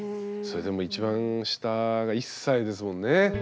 それでも一番下が１歳ですもんね。